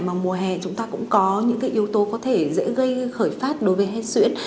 mà mùa hè chúng ta cũng có những yếu tố có thể dễ gây khởi phát đối với hen xuyến